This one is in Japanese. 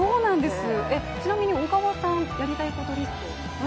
ちなみに小川さん、やりたいことリスト何かありました？